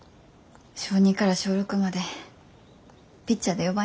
小２から小６までピッチャーで四番やった。